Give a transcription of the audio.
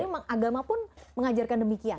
jadi agama pun mengajarkan demikian